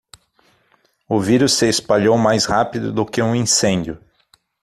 O vírus se espalhou mais rápido do que um incêndio.